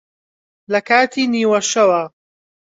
لە کاتی نیوەشەوا